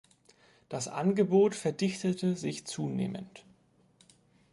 Das Angebot verdichtete sich zunehmend.